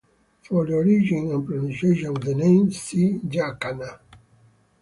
For the origin and pronunciation of the name, see Jacana.